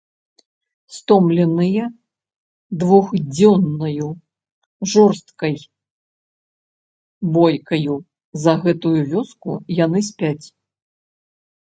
Стомленыя двухдзённаю жорсткай бойкаю за гэтую вёску, яны спяць.